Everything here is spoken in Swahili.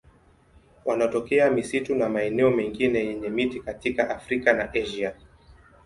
Wanatokea misitu na maeneo mengine yenye miti katika Afrika na Asia.